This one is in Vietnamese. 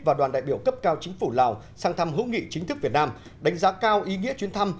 và đoàn đại biểu cấp cao chính phủ lào sang thăm hữu nghị chính thức việt nam đánh giá cao ý nghĩa chuyến thăm